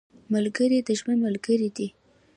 ملګری د ژوند ملګری دی